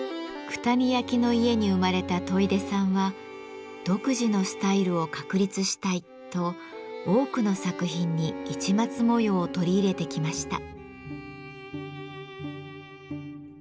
九谷焼の家に生まれた戸出さんは「独自のスタイルを確立したい」と多くの作品に市松模様を取り入れてきました。